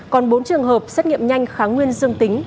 còn bốn trường hợp xét nghiệm nhanh kháng nguyên dương tính